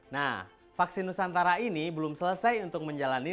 nah vaksin nusantara ini belum selesai untuk menjalani